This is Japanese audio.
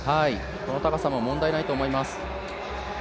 この高さも問題ないと思います。